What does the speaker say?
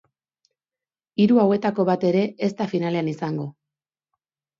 Hiru hauetako bat ere ez da finalean izango.